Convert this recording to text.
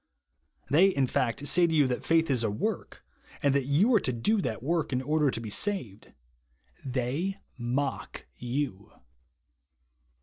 They in fact say to you that faith is a work, and that you are to do that work in order to be saved. They mock you.